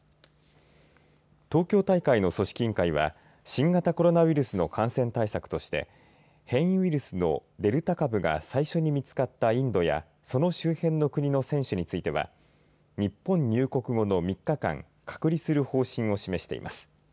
東京大会の組織委員会は新型コロナウイルスの感染対策として変異ウイルスのデルタ株が最初に見つかったインドやその周辺の国の選手については日本入国後の３日間隔離する方針を示しています。